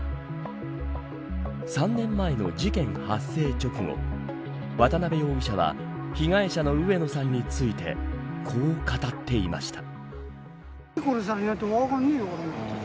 ３年前の事件発生直後渡部容疑者は被害者の上野さんについてこう語っていました。